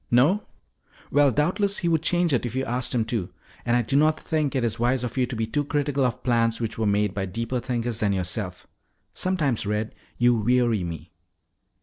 "No? Well, doubtless he would change it if you asked him to. And I do not think it is wise of you to be too critical of plans which were made by deeper thinkers than yourself. Sometimes, Red, you weary me."